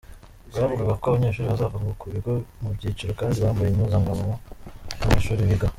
Bwavugaga ko abanyeshuri bazava ku bigo mu byiciro kandi bambaye impuzankano y’amashuri bigaho.